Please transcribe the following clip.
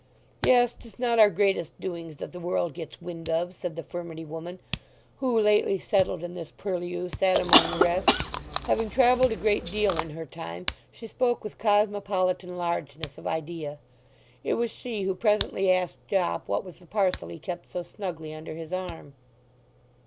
"Yes—'tis not our greatest doings that the world gets wind of," said the furmity woman, who, lately settled in this purlieu, sat among the rest. Having travelled a great deal in her time she spoke with cosmopolitan largeness of idea. It was she who presently asked Jopp what was the parcel he kept so snugly under his arm.